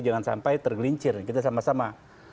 jangan sampai tergelincir kita sama sama